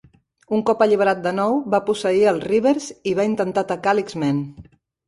Un cop alliberat de nou, va posseir els Reavers i va intentar atacar l"X-Men.